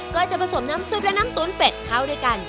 ก็จะผสมน้ำซุปและน้ำตุ๋นเป็ดเข้าด้วยกัน